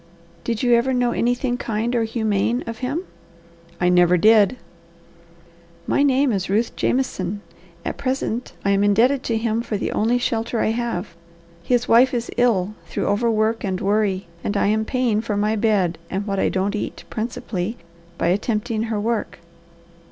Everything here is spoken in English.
"Did you ever know anything kind or humane of him?" "I never did." "My name is Ruth Jameson. At present I am indebted to him for the only shelter I have. His wife is ill through overwork and worry, and I am paying for my bed and what I don't eat, principally, by attempting her work.